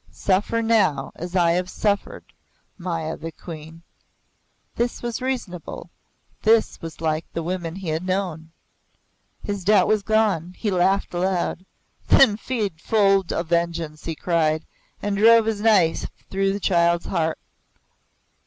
Suffer now as I have suffered, Maya the Queen!" This was reasonable this was like the women he had known. His doubt was gone he laughed aloud. "Then feed full of vengeance!" he cried, and drove his knife through the child's heart.